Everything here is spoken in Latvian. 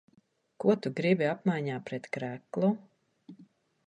Ko tu gribi apmaiņā pret kreklu?